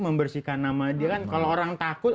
membersihkan nama dia kan kalau orang takut